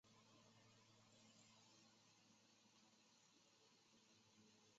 富士电视台为台湾电视公司的创始股东之一。